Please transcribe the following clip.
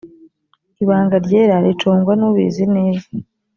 ibanga ryera ricungwa nubizi neza.